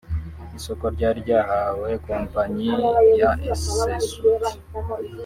Isoko ryari ryahawe kompanyi ya Ecesut